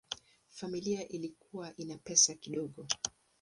Familia ilikuwa ina pesa kidogo.